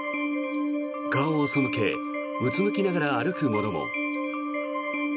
顔を背けうつむきながら歩く者も。